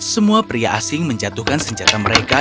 semua pria asing menjatuhkan senjata mereka